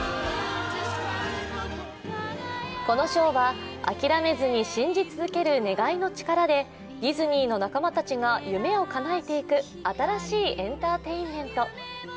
このショーは諦めずに信じ続ける願いの力でディズニーの仲間たちが夢をかなえていく、新しいエンターテイメント。